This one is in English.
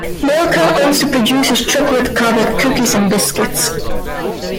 Milka also produces chocolate-covered cookies and biscuits.